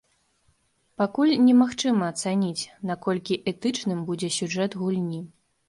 Пакуль немагчыма ацаніць, наколькі этычным будзе сюжэт гульні.